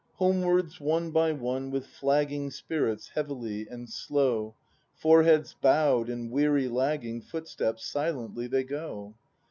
] Homewards, one by one, with flagging Spirits, heavily and slow. Foreheads bowed, and weary lagging Footsteps, silently they go.